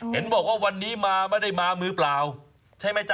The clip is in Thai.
เห็นบอกว่าวันนี้มาไม่ได้มามือเปล่าใช่ไหมจ๊